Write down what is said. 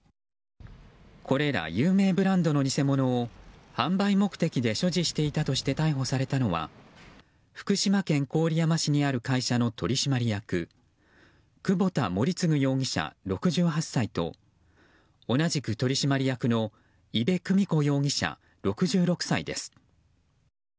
これら有名ブランドの偽物を販売目的で所持していたとして逮捕されたのは福島県郡山市にある会社の取締役久保田盛嗣容疑者、６８歳と同じく取締役の伊部久美子容疑者、６６歳です。